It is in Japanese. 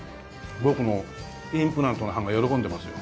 僕のインプラントの歯が喜んでますよ。